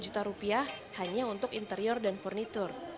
satu ratus lima puluh juta rupiah hanya untuk interior dan furniture